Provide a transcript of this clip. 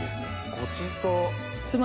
ごちそう！